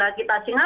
karena di triwunnya